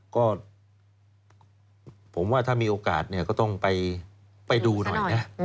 ก็ผมว่าถ้ามีโอกาสก็ต้องไปดูหน่อย